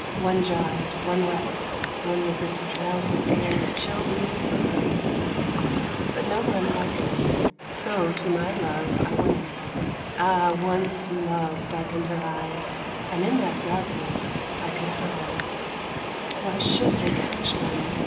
One gibed, one wept, one with his drowséd air Chilled me to very stone, but no man hearkened; So to my love I went ah! once love darkened Her eyes, and in that darkness I could hide Why should they couch them?